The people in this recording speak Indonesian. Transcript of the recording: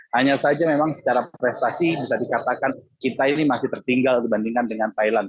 hanya saja memang secara prestasi bisa dikatakan kita ini masih tertinggal dibandingkan dengan thailand